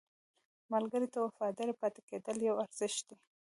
ملګری ته وفادار پاتې کېدل یو ارزښت دی